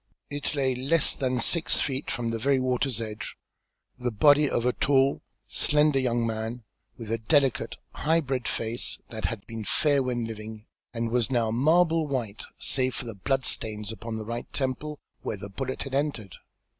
It lay less than six feet from the very water's edge, the body of a tall, slender young man, with a delicate, high bred face that had been fair when living, and was now marble white, save for the blood stains upon the right temple, where the bullet had entered.